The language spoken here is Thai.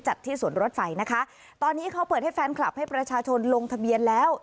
ที่สวนรถไฟนะคะตอนนี้เขาเปิดให้แฟนคลับให้ประชาชนลงทะเบียนแล้ว